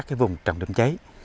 và các vùng trầm đâm cháy